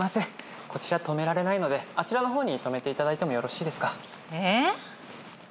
こちら止められないのであちらの方に止めていただいてもよろしいですか？